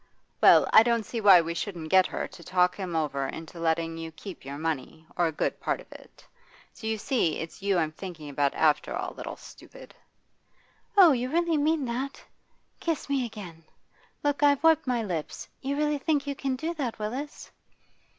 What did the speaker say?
Well, I don't see why we shouldn't get her to talk him over into letting you keep your money, or a good part of it. So you see it's you I'm thinking about after all, little stupid.' 'Oh, you really mean that! Kiss me again look, I've wiped my lips, You really think you can do that, Willis?